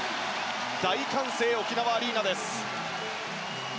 大歓声、沖縄アリーナです。